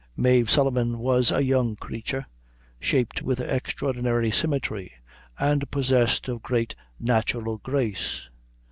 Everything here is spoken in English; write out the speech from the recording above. Mave Sullivan was a young creature, shaped with extraordinary symmetry, and possessed of great natural grace.